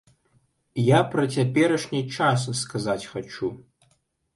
Я пра цяперашні час сказаць хачу.